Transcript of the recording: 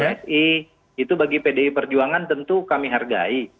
psi itu bagi pdi perjuangan tentu kami hargai